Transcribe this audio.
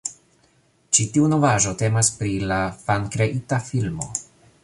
Ĉi tiu novaĵo temas pri la fankreita filmo